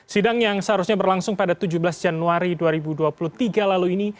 sidang yang seharusnya berlangsung pada tujuh belas januari dua ribu dua puluh tiga lalu ini